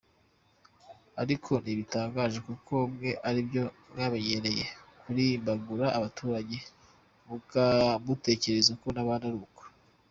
Ariko ntibitangaje kuko mwe aribyo mwamenyereye kurimbagura abaturage mutekereza ko nabandi aruko.